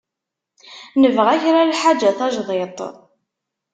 Nebɣa kra n lḥaǧa tajdidt.